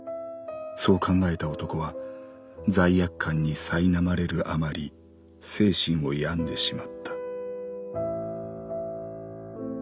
そう考えた男は罪悪感に苛まれるあまり精神を病んでしまった」。